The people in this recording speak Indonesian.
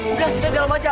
udah cinta dalam aja